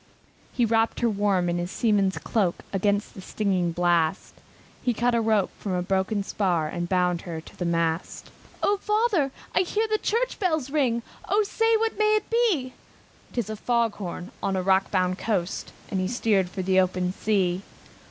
He wrapped her warm in his seaman's coat Against the stinging blast; He cut a rope from a broken spar, And bound her to the mast. "O father! I hear the church bells ring, O say, what may it be?" "Tis a fog bell on a rock bound coast!" And he steered for the open sea.